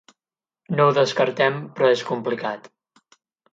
No ho descartem però és complicat.